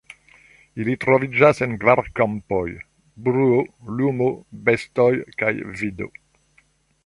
Ili troviĝas en kvar kampoj: bruo, lumo, bestoj kaj vido.